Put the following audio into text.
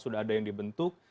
sudah ada yang dibentuk